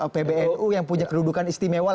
pbnu yang punya kedudukan istimewa